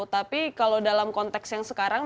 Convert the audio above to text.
tapi kalau dalam konteks yang sekarang